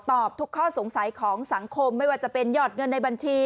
ทุกข้อสงสัยของสังคมไม่ว่าจะเป็นยอดเงินในบัญชี